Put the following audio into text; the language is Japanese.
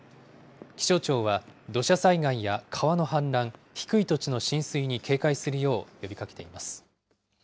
気象庁は、土砂災害や川の氾濫、低い土地の浸水に警戒するよう呼びかけています。